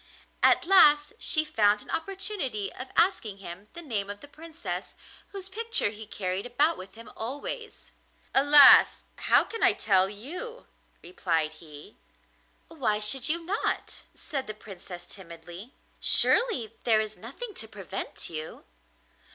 At last she found an opportunity of asking him the name of the Princess whose picture he carried about with him always. 'Alas! how can I tell you?' replied he. 'Why should you not?' said the Princess timidly. 'Surely there is nothing to prevent you.